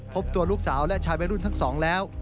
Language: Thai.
พบตัวลูกสาวและชายวัยรุ่นทั้งสองแล้ว